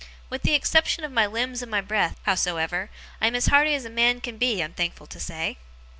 With the exception of my limbs and my breath, howsoever, I am as hearty as a man can be, I'm thankful to say.